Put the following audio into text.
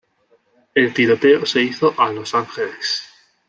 El tiroteo se hizo a Los Angeles.